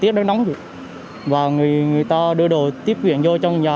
thời tiết nóng và người ta đưa đồ tiếp viện vô trong nhà